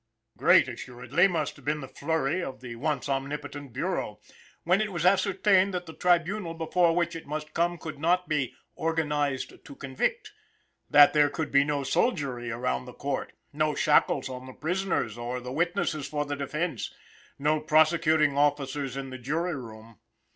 Great, assuredly, must have been the flurry of the once omnipotent Bureau, when it was ascertained that the tribunal before which it must come could not be "organized to convict;" that there could be no soldiery around the Court, no shackles on the prisoners or the witnesses for the defense, no prosecuting officers in the jury room.